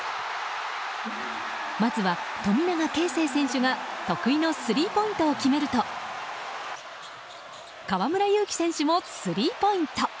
まずは富永啓生選手が得意のスリーポイントを決めると河村勇輝選手もスリーポイント！